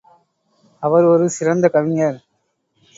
அவர் ஒரு சிறந்த கவிஞர்.